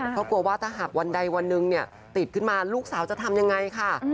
เพราะกลัวว่าถ้าหากวันใดวันหนึ่งติดขึ้นมาลูกสาวจะทำยังไงค่ะ